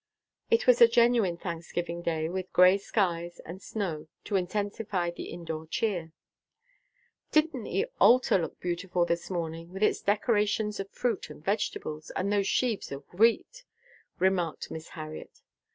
It was a genuine Thanksgiving day, with gray skies, and snow, to intensify the indoor cheer. "Didn't the altar look beautiful this morning with its decorations of fruit and vegetables, and those sheaves of wheat?" remarked Miss Harriet.